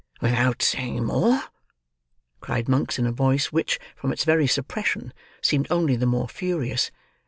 "Without saying more?" cried Monks, in a voice which, from its very suppression, seemed only the more furious.